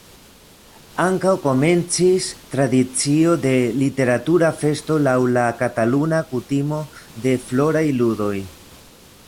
Ankaŭ komencis tradicio de Literatura Festo laŭ la kataluna kutimo de Floraj Ludoj.